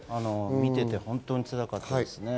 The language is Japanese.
見てて本当に辛かったですね。